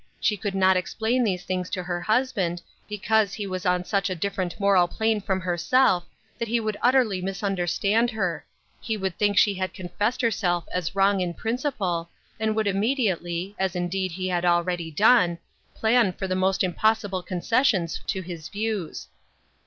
She could not explain these things to her husband, because he was on such a different moral plane from herself that he would utterly misunderstand her ; he would think she had confessed herself as wrong in principle, and " \V. C. T. U. 133 would immediately, as indeed he had already done, plan for the most impossible concessions to his views.